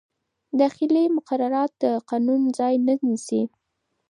داخلي مقررات د قانون ځای نه نیسي.